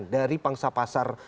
dari pangsa pasar